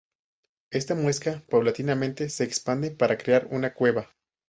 Esta muesca paulatinamente se expande para crear una cueva.